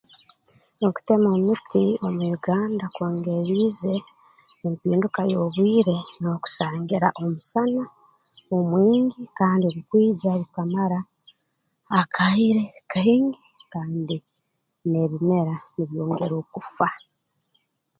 Okutema emiti omu Uganda kwongereriize empinduka y'obwire n'okusangira omusana omwingi kandi ogu kwija gukamara akaire kaingi kandi n'ebimera nibyongera okufa